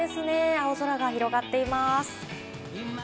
青空が広がっています。